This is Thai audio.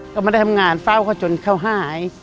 ก็ไม่ได้ทำงานเฝ้าเขาจนเขาหาย